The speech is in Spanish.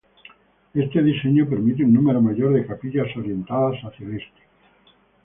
Este diseño permite un número mayor de capillas orientadas hacia el este.